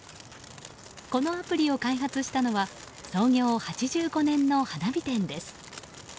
このアプリを開発したのは創業８５年の花火店です。